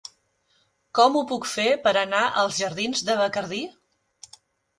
Com ho puc fer per anar als jardins de Bacardí?